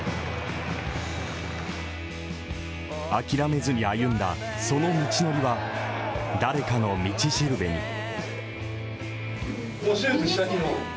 諦めずに歩んだその道のりは、誰かの道しるべに。